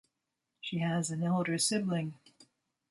She has an elder sibling.